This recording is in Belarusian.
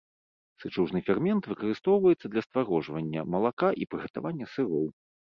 Сычужны фермент выкарыстоўваецца для стварожвання малака і прыгатавання сыроў.